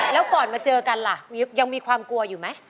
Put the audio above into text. แล้วก่อนมาเจอกันล่ะยังมีความกลัวอยู่ไหม